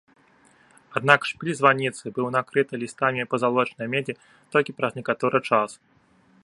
Аднак шпіль званіцы быў накрыты лістамі пазалочанай медзі толькі праз некаторы час.